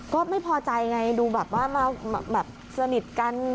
ก็ไม่พอใจไงดูแบบว่ามาแบบสนิทกัน